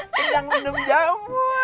kenyang minum jamu